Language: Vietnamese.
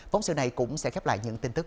phóng sự này cũng sẽ khép lại những tin tức